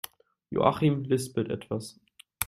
Joachim lispelt etwas.